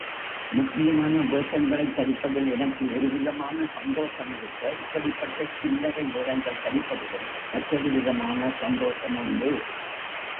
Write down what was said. முக்கியமான வேஷங்களைத் தரிப்பதில் எனக்கு ஒருவிதமான சந்தோஷமிருக்க, இப்படிப்பட்ட சில்லரை வேடங்கள் தரிப்பதிலும் மற்றொரு விதமான சந்தோஷமுண்டு.